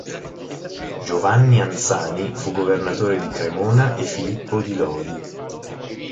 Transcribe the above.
Giovanni Anzani fu governatore di Cremona e Filippo di Lodi.